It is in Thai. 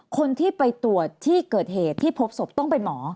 คนที่ไปตรวจที่เกิดเหตุที่พบศพต้องเป็นหมอ